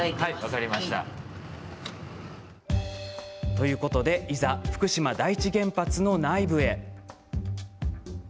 ということで、いざ福島第一原発の内部へ。